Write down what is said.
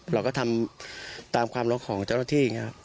เราก็ทำตามความลองของเจ้าหน้าที่